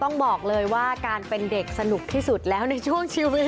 ต้องบอกเลยว่าการเป็นเด็กสนุกที่สุดแล้วในช่วงชีวิต